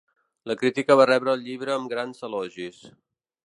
La crítica va rebre el llibre amb grans elogis.